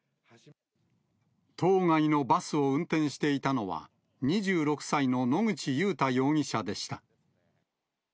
当該のバスを運転していたのは、２６歳の野口祐太容疑者でした。